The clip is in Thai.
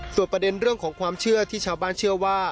ส่วนประเด็นเรื่องของความเชื่อที่ชาวบ้านเชื่อว่า